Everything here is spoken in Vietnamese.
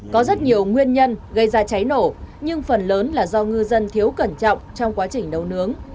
có rất nhiều nguyên nhân gây ra cháy nổ nhưng phần lớn là do ngư dân thiếu cẩn trọng trong quá trình nấu nướng